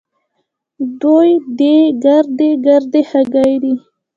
دوې دې ګردۍ ګردۍ هګۍ دي.